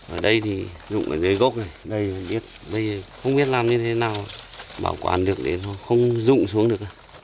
ở đây thì rụng ở dưới gốc này đây không biết làm như thế nào bảo quản được để không rụng xuống được